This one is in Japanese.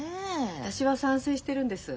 私は賛成してるんです。